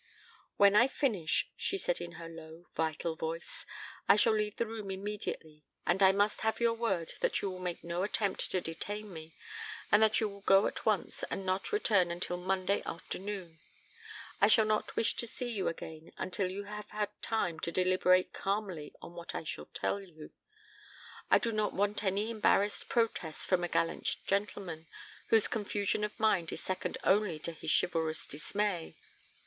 "When I finish," she said in her low vital voice, "I shall leave the room immediately and I must have your word that you will make no attempt to detain me, and that you will go at once and not return until Monday afternoon. I shall not wish to see you again until you have had time to deliberate calmly on what I shall tell you. I do not want any embarrassed protests from a gallant gentleman whose confusion of mind is second only to his chivalrous dismay.